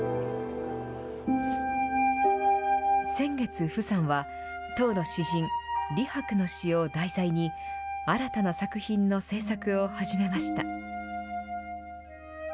先月、傅さんは唐の詩人、李白の詩を題材に、新たな作品の制作を始めました。